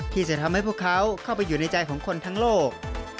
ที่จะทำให้พวกเขาเข้าไปอยู่ในใจของคนทั้งโลก